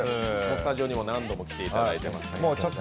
スタジオにも何度も来ていただいています。